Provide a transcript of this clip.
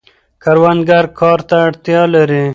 کروندګر کار ته اړتیا لري.